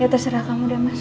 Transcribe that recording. ya terserah kamu deh mas